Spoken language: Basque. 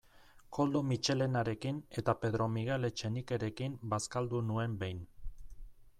Koldo Mitxelenarekin eta Pedro Miguel Etxenikerekin bazkaldu nuen behin.